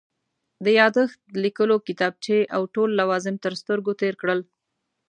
د یادښت لیکلو کتابچې او ټول لوازم تر سترګو تېر کړل.